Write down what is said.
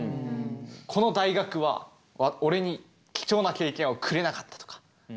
この大学は俺に貴重な経験をくれなかったとか。